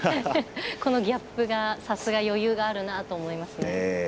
このギャップがさすがに余裕があるなという感じです。